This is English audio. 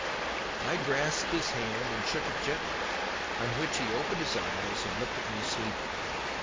I grasped his hand and shook it gently, on which he opened his eyes and looked at me sleepily.